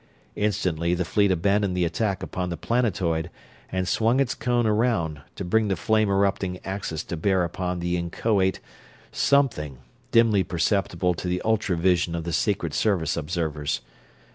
Instantly the fleet abandoned the attack upon the planetoid and swung its cone around, to bring the flame erupting axis to bear upon the inchoate something dimly perceptible to the ultra vision of the Secret Service observers.